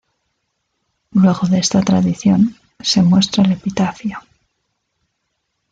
Luego de esta tradición, se muestra el epitafio.